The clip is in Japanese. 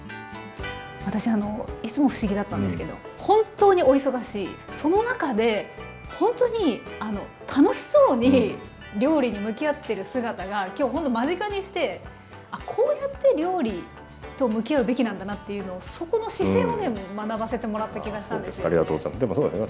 私いつも不思議だったんですけど本当にお忙しいその中でほんとに楽しそうに料理に向き合ってる姿が今日ほんと間近にしてあっこうやって料理と向き合うべきなんだなというのをそこの姿勢をね学ばせてもらった気がしたんですよね。